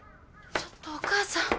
ちょっとお母さん！